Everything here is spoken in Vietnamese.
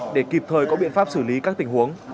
để kịp thời có biện pháp xử lý các tình huống